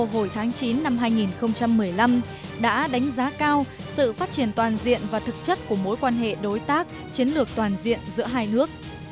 hồi tháng chín năm hai nghìn một mươi năm đã đánh giá cao sự phát triển toàn diện và thực chất của mối quan hệ đối tác chiến lược toàn diện giữa hai nước